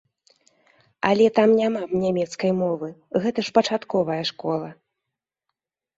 Але там няма нямецкай мовы, гэта ж пачатковая школа.